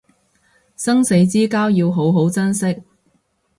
生死之交要好好珍惜